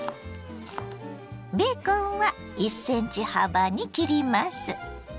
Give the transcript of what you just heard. ベーコンは１ｃｍ幅に切ります。